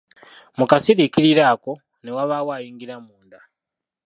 Mu kasiriikiriro ako, ne wabaawo ayingira munda.